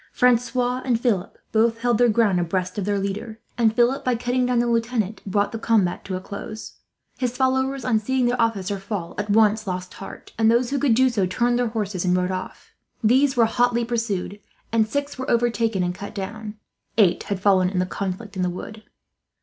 Francois and Philip both held their ground, abreast of their leader; and Philip, by cutting down the lieutenant, brought the combat to a close. His followers, on seeing their officer fall, at once lost heart; and those who could do so turned their horses, and rode off. They were hotly pursued, and six were overtaken and cut down. Eight had fallen in the conflict in the wood.